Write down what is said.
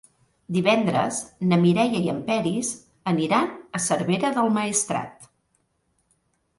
Divendres na Mireia i en Peris aniran a Cervera del Maestrat.